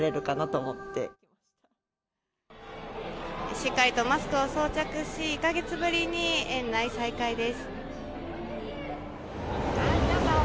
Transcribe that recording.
しっかりとマスクを装着し１か月ぶりに園内再開です。